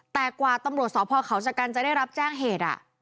แต่กว่าตำรวจสพเขาชะกันจะได้รับแจ้งเหตุ